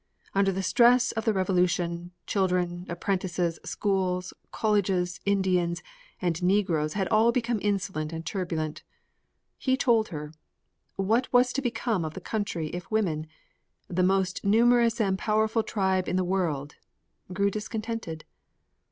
Under the stress of the Revolution children, apprentices, schools, colleges, Indians, and negroes had all become insolent and turbulent, he told her. What was to become of the country if women, "the most numerous and powerful tribe in the world," grew discontented?